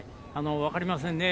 分かりませんね。